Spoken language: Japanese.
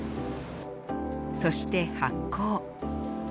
そして発酵。